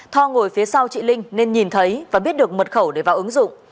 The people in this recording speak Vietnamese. thoa ngồi phía sau chị linh nên nhìn thấy và biết được mật khẩu để vào ứng dụng